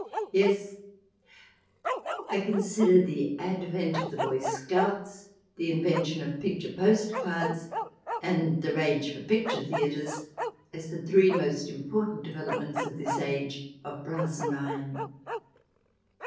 Yes, I consider the advent of the Boy Scouts, the invention of picture postcards, and the rage for picture theatres, as the three most important de velopments of this age of brass and iron.